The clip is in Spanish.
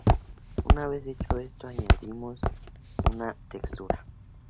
Una vez hecho esto añadimos una textura.